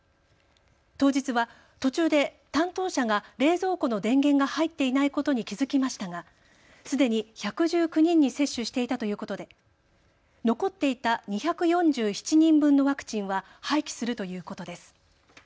当日は途中で担当者が冷蔵庫の電源が入っていないことに気付きましたがすでに１１９人に接種していたということで残っていた２４７人分のワクチンは廃棄するということです。